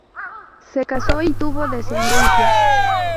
Se casó y tuvo descendencia.